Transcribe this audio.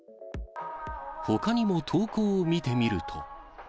ほかにも投稿を見てみると。